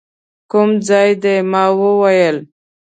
کوم ځای دی؟ ما وویل.